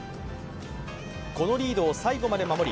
このリードを最後まで守り